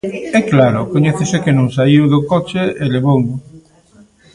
E claro, coñécese que non saíu do coche e levouno.